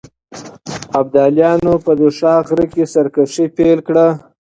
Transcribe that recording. ابداليانو په دوشاخ غره کې سرکښي پيل کړه.